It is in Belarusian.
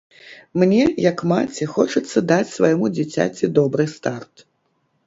Мне як маці хочацца даць свайму дзіцяці добры старт.